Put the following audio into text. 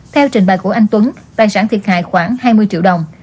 theo trình bài của anh tuấn tài sản thiệt hại khoảng hai mươi triệu đồng